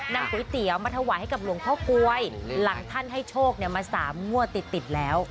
นำก๋วยเตี๋ยวมาถวายให้กับหลวงพ่อกล้วยหลังท่านให้โชคมา๓งวดติดติดแล้ว